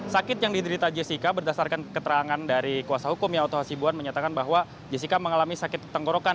sakit yang diderita jessica berdasarkan keterangan dari kuasa hukum ya oto hasibuan menyatakan bahwa jessica mengalami sakit tenggorokan